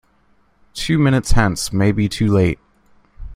Two minutes hence may be too late.